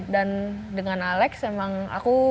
dan dengan alex emang aku